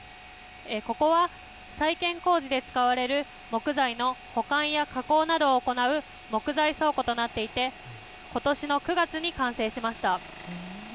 ここは、再建工事で使われる木材の保管や加工などを行う木材倉庫となっていて、ことしの９月に完成しました。